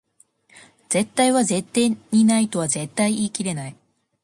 絶対は絶対にないとは絶対言い切れない